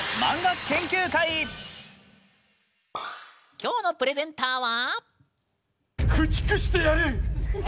きょうのプレゼンターは？